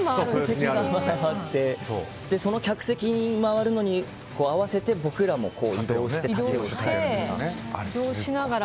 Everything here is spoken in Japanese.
その客席が回るのに合わせて僕らも移動したりして。